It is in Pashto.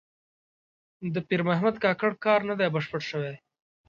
د پیر محمد کاکړ کار نه دی بشپړ شوی.